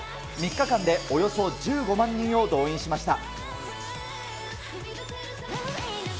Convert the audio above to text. ３日間でおよそ１５万人を動員しました。